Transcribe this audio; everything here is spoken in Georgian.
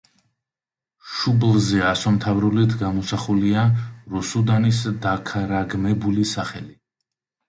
შუბლზე ასომთავრულით გამოსახულია რუსუდანის დაქარაგმებული სახელი.